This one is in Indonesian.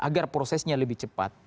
agar prosesnya lebih cepat